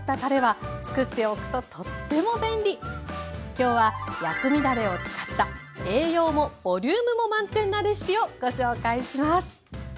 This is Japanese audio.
今日は薬味だれを使った栄養もボリュームも満点なレシピをご紹介します。